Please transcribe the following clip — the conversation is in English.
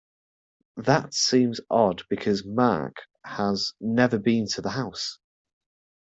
That seems odd because Mark has never been to the house.